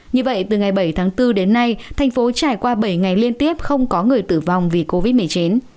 như vậy từ ngày bảy tháng bốn đến nay thành phố trải qua bảy ngày liên tiếp không có người tử vong vì covid một mươi chín